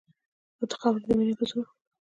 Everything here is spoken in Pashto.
او د خاورې د مینې په زور